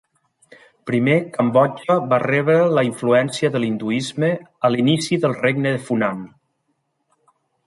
Primer, Cambodja va rebre la influència de l'hinduisme a l'inici del Regne de Funan.